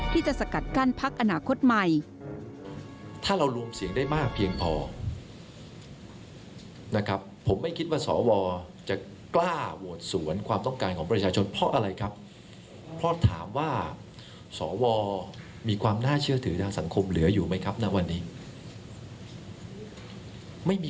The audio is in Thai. สกัดกั้นพักอนาคตใหม่